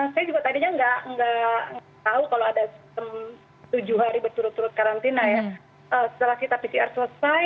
saya juga tadinya nggak tahu kalau ada tujuh hari berturut turut karantina ya